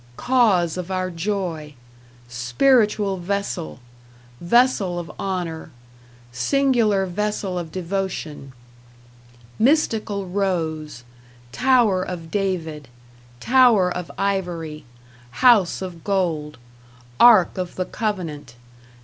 Cause of our joy. Spiritual vessel. Vessel of honor. Singular vessel of devotion. Mystical rose. Tower of David. Tower of ivory. House of gold. Ark of the covenant.